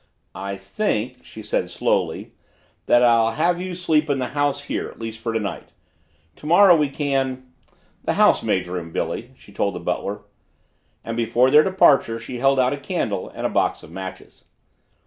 "I think," she said slowly, "that I'll have you sleep in the house here, at least for tonight. Tomorrow we can the housemaid's room, Billy," she told the butler. And before their departure she held out a candle and a box of matches.